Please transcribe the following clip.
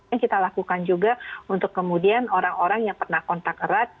yang kita lakukan juga untuk kemudian orang orang yang pernah kontak erat